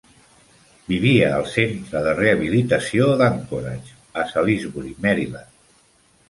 Vivia al centre de rehabilitació d'Anchorage a Salisbury, Maryland.